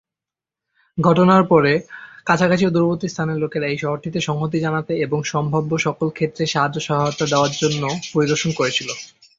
ঘটনার পরে, কাছাকাছি ও দূরবর্তী স্থানের লোকেরা এই শহরটিতে সংহতি জানাতে এবং সম্ভাব্য সকল ক্ষেত্রে সাহায্য-সহায়তা দেওয়ার জন্য পরিদর্শন করেছিল।